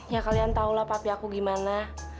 ya kalian tau lah papi aku gimana